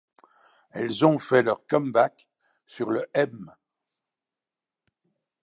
Elles ont fait leur comeback sur le M!